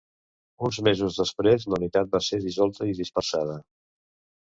Uns mesos després la unitat va ser dissolta i dispersada.